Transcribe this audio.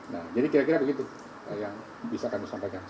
nah jadi kira kira begitu yang bisa kami sampaikan